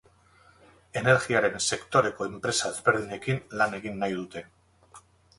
Energiaren sektoreko enpresa ezberdinekin lan egin nahi dute.